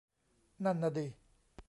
นั่นน่ะดิ